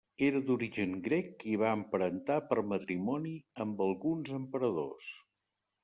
Era d'origen grec i va emparentar per matrimoni amb alguns emperadors.